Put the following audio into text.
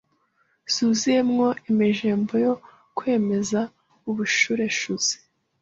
zuzuyemo emegembo yo kwememeze ubushureshuzi,